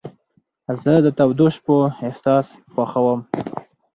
زه د تودو شپو احساس خوښوم.